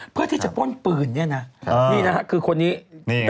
เพิ่าที่จะโป้นปืนเนี่ยน่ะนี่นะค่ะคือคนนี้นี่เหรอครับ